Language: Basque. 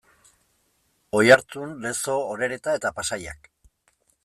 Oiartzun, Lezo, Orereta eta Pasaiak.